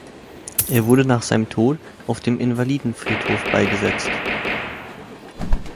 Er wurde nach seinem Tod auf dem Invalidenfriedhof beigesetzt.